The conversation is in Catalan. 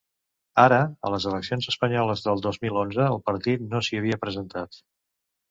Ara, a les eleccions espanyoles del dos mil onze el partit no s’hi havia presentat.